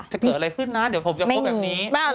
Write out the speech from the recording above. จะเกิดอะไรขึ้นนะเดี๋ยวผมจะพูดแบบนี้